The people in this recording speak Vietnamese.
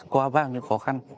có bao nhiêu khó khăn